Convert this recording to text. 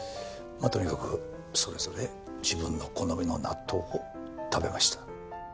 まあとにかくそれぞれ自分の好みの納豆を食べました。